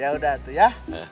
ya udah tuh ya